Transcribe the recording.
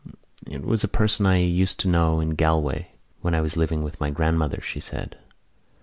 "It was a person I used to know in Galway when I was living with my grandmother," she said.